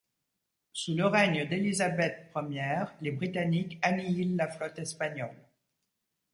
Sous le règne d'Elizabeth I, les Britanniques annihilent la flotte espagnole.